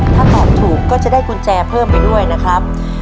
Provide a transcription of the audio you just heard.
ถ้าตอบถูกก็จะได้กุญแจเพิ่มไปด้วยนะครับ